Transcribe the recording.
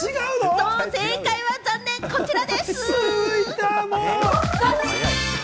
正解は、残念、こちら。